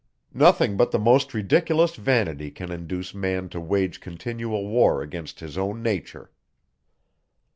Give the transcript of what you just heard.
Nothing but the most ridiculous vanity can induce man to wage continual war against his own nature.